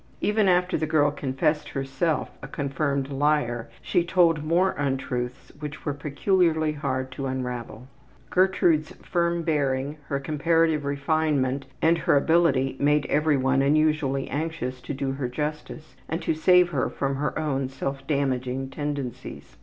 Even after the girl confessed herself a confirmed liar she told more untruths which were peculiarly hard to unravel. Gertrude's firm bearing, her comparative refinement and her ability made every one unusually anxious to do her justice, and to save her from her own self damaging tendencies.